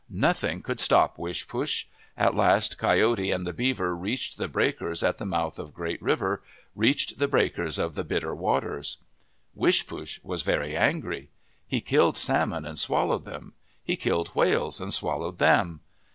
Nothing could stop Wishpoosh. At last Coyote and the beaver reached the breakers at the mouth of Great River, reached the breakers of the Bitter Waters. Wishpoosh was very angry. He killed salmon and swallowed them. He killed whales and swal lowed them.